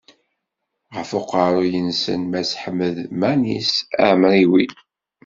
Ɣef uqerruy-nsen mass Ḥmed Manis Ɛemriwi.